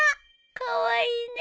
カワイイね。